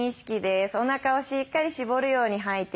おなかをしっかり絞るように吐いていきましょう。